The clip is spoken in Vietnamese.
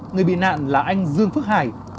người bị nạn là anh dương phước hải